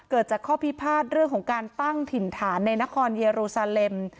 เกิดจากข้อพิพาทเรื่องของการตั้งถิ่นฐานในนครเยรูซาเลม